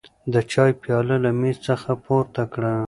د چای پیاله له مېز څخه پورته کړه.